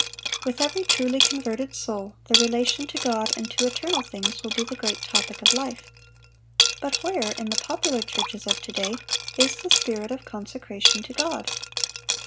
With every truly converted soul the relation to God and to eternal things will be the great topic of life. But where, in the popular churches of to day, is the spirit of consecration to God?